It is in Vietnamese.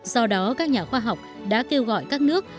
do đó các nhà khoa học đã kêu gọi các nước